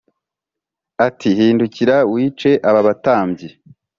ati “Hindukira wice aba batambyi.”